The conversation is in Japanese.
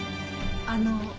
あの。